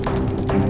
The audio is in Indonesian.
gak mau kali